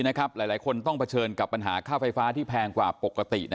หลายคนต้องเผชิญกับปัญหาค่าไฟฟ้าที่แพงกว่าปกติ